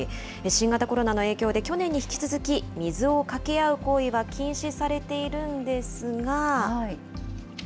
新型コロナの影響で去年に引き続き、水をかけ合う行為は禁止されているんですが。